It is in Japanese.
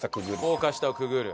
高架下をくぐる。